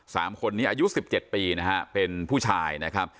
สามคนนี้อายุสิบเจ็ดปีนะฮะเป็นผู้ชายนะครับ